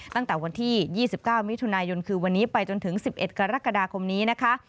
ตั้งแต่วันที่๒๙มิถุนายนคือวันนี้ไปจนถึง๑๑กรกฎาคมนี้นะคะ